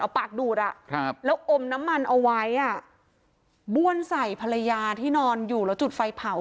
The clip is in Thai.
เอาปากดูดอ่ะครับแล้วอมน้ำมันเอาไว้อ่ะบ้วนใส่ภรรยาที่นอนอยู่แล้วจุดไฟเผา